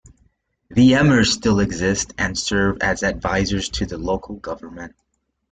The emirs still exist, and serve as advisers to the local government.